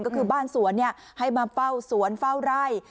ก็คือบ้านสวนให้มาเฝ้าสวนเฝ้าไร่